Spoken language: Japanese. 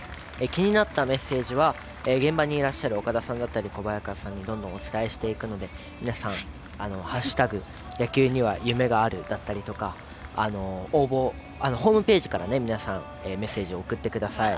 気になったメッセージは現場にいらっしゃる岡田さんだったり小早川さんにどんどんお伝えしていくので皆さん「＃野球には夢がある」だったりホームページから皆さんメッセージ送ってください。